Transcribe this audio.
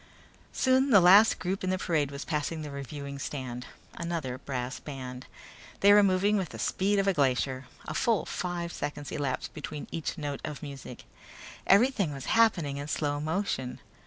Soon the last group in the parade was passing the reviewing stand. Another brass band. They were moving with the speed of a glacier. A full five seconds elapsed between each note of music. Everything was happening in slow motion.